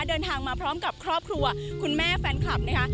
เดินทางมาพร้อมกับครอบครัวคุณแม่แฟนคลับนะคะ